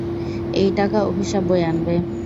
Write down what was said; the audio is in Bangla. এই টাকা অভিশাপ বয়ে আনবে।